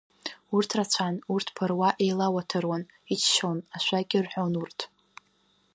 Урҭ рацәан, урҭ ԥыруа еилауаҭыруан, иччон, ашәакгьы рҳәон урҭ.